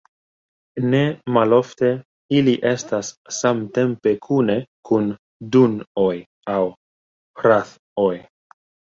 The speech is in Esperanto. Ne malofte ili estas samtempe kune kun Dun-oj aŭ Rath-oj.